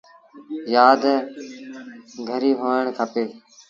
يآد گريٚ هوڻ کپي۔